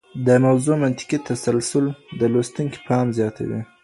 د موضوع منطقي تسلسل د لوستونکي پام زیاتوي.